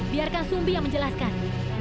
biarkan sumbi yang menjelaskan